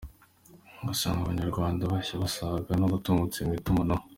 Ugasanga abanyarwanda bashya basaga n’abakangutse mu itumanaho.